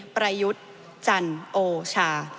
ปรายุทจันโอชา